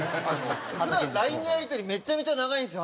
普段ＬＩＮＥのやり取りめちゃめちゃ長いんですよ